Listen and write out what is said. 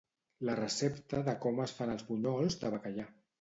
La recepta de com es fan els bunyols de bacallà.